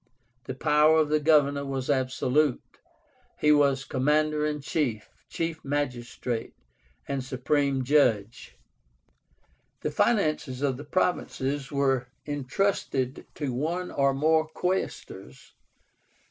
The power of the governor was absolute; he was commander in chief, chief magistrate, and supreme judge. The finances of the provinces were intrusted to one or more QUAESTORS.